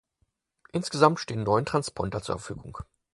Insgesamt stehen neun Transponder zur Verfügung.